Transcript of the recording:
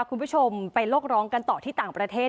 คุณผู้ชมไปโลกร้องกันต่อที่ต่างประเทศ